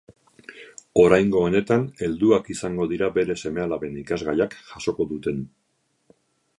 Oraingo honetan, helduak izango dira bere seme-alaben ikasgaiak jasoko duten.